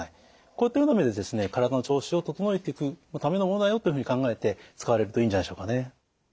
こういったような意味で体の調子を整えていくためのものだよというふうに考えて使われるといいんじゃないでしょうかね。